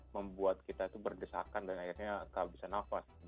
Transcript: membuat kita itu berdesakan dan akhirnya tak bisa nafas